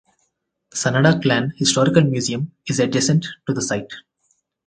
Sanada clan Historical Museum is adjacent to the site.